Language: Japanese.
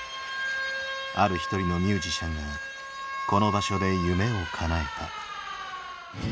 ある一人のミュージシャンがこの場所で夢をかなえた。